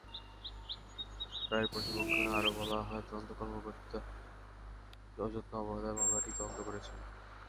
রায়ের পর্যবেক্ষণে আরও বলা হয়, তদন্তকারী কর্মকর্তা অযত্ন-অবহেলায় মামলাটির তদন্ত করেছেন।